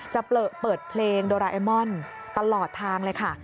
จะเปิดเพลงโดราเอมอนตลอดทางเลยค่ะ